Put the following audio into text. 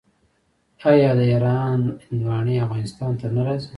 آیا د ایران هندواڼې افغانستان ته نه راځي؟